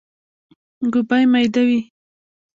ګوبی ميده وي.